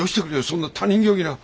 そんな他人行儀な。